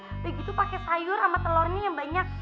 udah gitu pakai sayur sama telurnya yang banyak